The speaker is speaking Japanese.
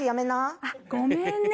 あっごめんね。